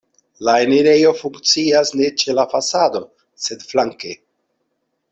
La enirejo funkcias ne ĉe la fasado, sed flanke.